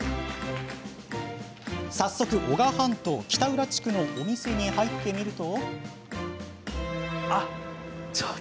早速、男鹿半島北浦地区のお店に入ってみると。